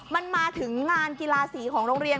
มันมาถึงงานกีฬาสีของโรงเรียน